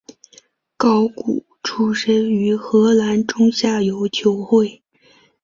高古出身于荷兰中下游球会。